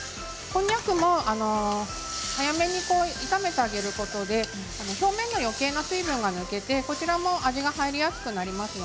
こんにゃくも早めに炒めてあげることで表面のよけいな水分が抜けて味が入りやすくなります。